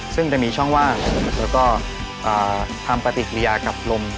ซึ่งจะมีช่องว่างและกระทิกระยากับลม